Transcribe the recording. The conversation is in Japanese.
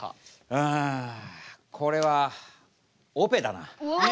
うんこれはオペだな。